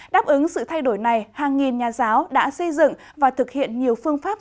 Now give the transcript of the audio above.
đáp ứng sự thay đổi này hàng nghìn nhà giáo đã xây dựng và thực hiện nhiều phương pháp